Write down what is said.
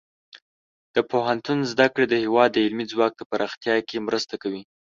د پوهنتون زده کړې د هیواد د علمي ځواک پراختیا کې مرسته کوي.